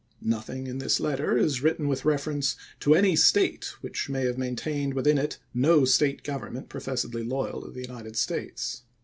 Nothing in this letter is written with reference to any State which may have maintained within it no State government professedly loyal to the United States.